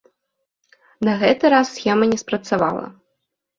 На гэты раз схема не спрацавала.